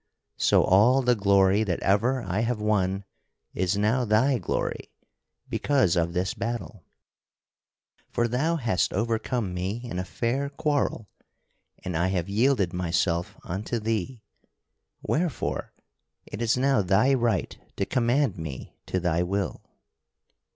So all the glory that ever I have won is now thy glory because of this battle. For thou hast overcome me in a fair quarrel and I have yielded myself unto thee, wherefore it is now thy right to command me to thy will."